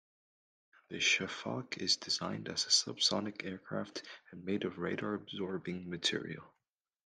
The Shafaq is designed as a sub-sonic aircraft, and made of radar-absorbing material.